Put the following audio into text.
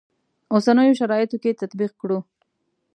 اوسنیو شرایطو کې تطبیق کړو.